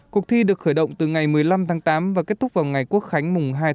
cuộc thi được khởi động từ ngày một mươi năm tháng tám và kết thúc vào ngày quốc khánh mùng hai tháng chín